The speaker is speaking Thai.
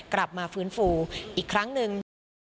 กลับมาฟื้นฟูอีกครั้งหนึ่ง